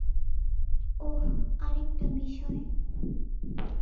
ওহ, আরেকটা বিষয়।